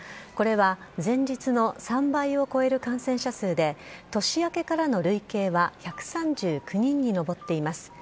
これは前日の３倍を超える感染者数で、年明けからの累計は１３９人に上っています。